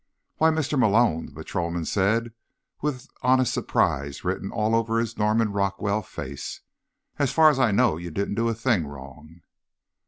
"Why, Mr. Malone," the patrolman said with honest surprise written all over his Norman Rockwell face, "as far as I know you didn't do a thing wrong."